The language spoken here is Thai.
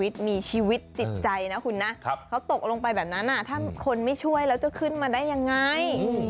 ถ้าตกลงไปแบบนั้นถ้าคนไม่ช่วยแล้วจะขึ้นมาได้ยังไง